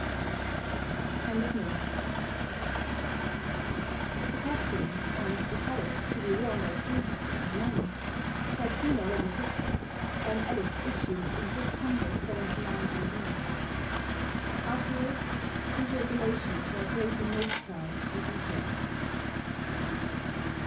] The costumes and the colours to be worn by priests and nuns had been already fixed, by an edict issued in 679 A.D. Afterwards these regulations were greatly multiplied and detailed.